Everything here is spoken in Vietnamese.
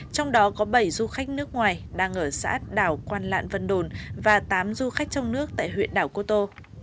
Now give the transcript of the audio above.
trong đó có bảy du khách nước ngoài đang ở xã đảo quan lạn vân đồn và tám du khách trong nước tại huyện đảo cô tô